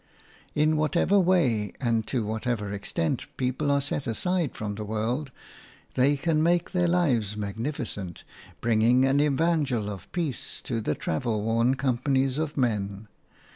In whatever way and to whatever extent people are set aside from the world, they can make their lives magnificent, bringing an evangel of peace to the travel worn companies of men.